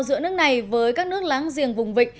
giữa nước này với các nước láng giềng vùng vịnh